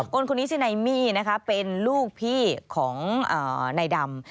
คนนี้ชื่อนายมี่นะคะเป็นลูกพี่ของนายดำ